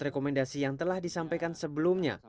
rekomendasi yang telah disampaikan sebelumnya